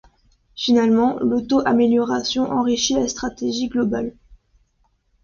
Finalement l'auto-amélioration enrichie la stratégie globale.